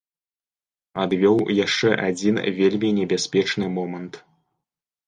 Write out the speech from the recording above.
Адвёў яшчэ адзін вельмі небяспечны момант.